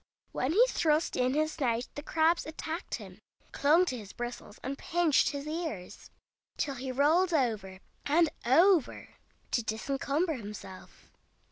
When he thrust in his snout the crabs attacked him, clung to his bristles and pinched his ears, till he rolled over and over to disencumber himself.